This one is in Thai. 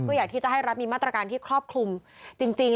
ก็อยากที่จะให้รัฐมีมาตรการที่ครอบคลุมจริง